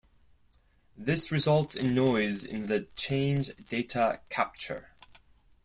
This results in noise in the Change Data Capture.